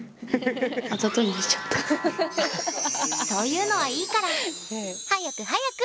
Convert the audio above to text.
そういうのはいいから早く早く！